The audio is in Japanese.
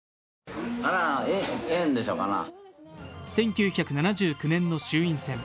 １９７９年の衆院選。